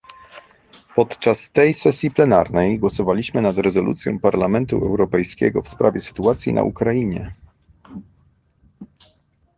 Podczas tej sesji plenarnej głosowaliśmy nad rezolucją Parlamentu Europejskiego w sprawie sytuacji na Ukrainie